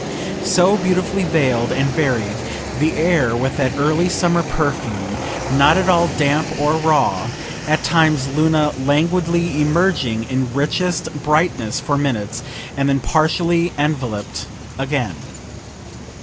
So beautifully veiled and varied the air, with that early summer perfume, not at all damp or raw at times Luna languidly emerging in richest brightness for minutes, and then partially envelop'd again.